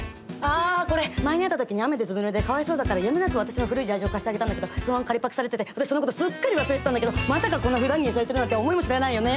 あこれ前に会った時に雨でずぶぬれでかわいそうだったからやむなく私の古いジャージを貸してあげたんだけどそのまま借りパクされてて私そのことすっかり忘れてたんだけどまさかこんなふだん着にされてるなんて思いもしないよね。